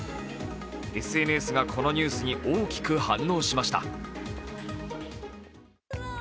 ＳＮＳがこのニュースに大きく反応しました。